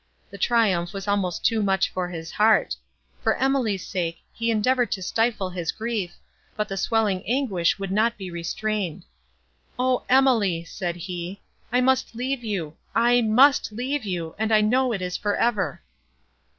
The triumph was almost too much for his heart; for Emily's sake, he endeavoured to stifle his grief, but the swelling anguish would not be restrained. "O Emily!" said he, "I must leave you—I must leave you, and I know it is for ever!"